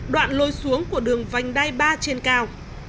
đoạn lối xuống của đường vành đai ba trên cao